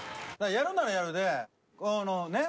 やるならやるでこのね。